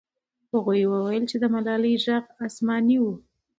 هغوی وویل چې د ملالۍ ږغ آسماني و.